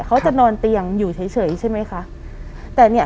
เขาจะนอนเตียงอยู่เฉย